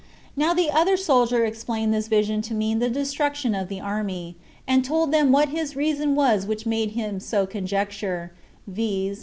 Now the other soldier explained this vision to mean the destruction of the army; and told them what his reason was which made him so conjecture, viz.